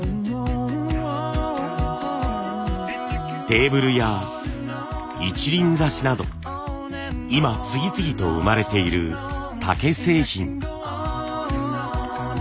テーブルや一輪挿しなど今次々と生まれている竹製品。